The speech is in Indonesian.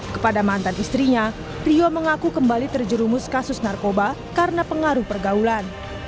kepada mantan istrinya rio mengaku kembali terjerumus kasus narkoba karena pengaruh pergaulan